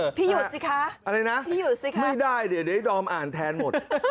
เออพี่หยุดสิคะพี่หยุดสิคะอะไรนะไม่ได้เดี๋ยวได้ดอมอ่านแทนหมด